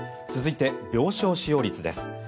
続いて、病床使用率です。